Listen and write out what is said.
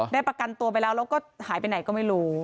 ประกันตัวไปแล้วแล้วก็หายไปไหนก็ไม่รู้